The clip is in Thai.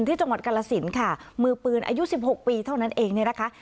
ที่จังหวัดกรรศิลป์ค่ะมือปืนอายุสิบหกปีเท่านั้นเองโดยนะคะ